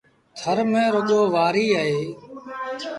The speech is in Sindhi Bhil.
ٿر ميݩ رڳو وآريٚ اهي۔